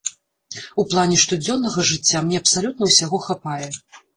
У плане штодзённага жыцця мне абсалютна ўсяго хапае.